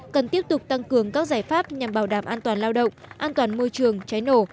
cần tiếp tục tăng cường các giải pháp nhằm bảo đảm an toàn lao động an toàn môi trường cháy nổ